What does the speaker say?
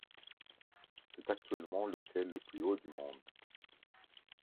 C'est actuellement l'hôtel le plus haut du monde.